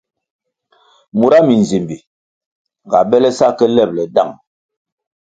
Mura minzimbi ga bele sa ke lebʼle dang.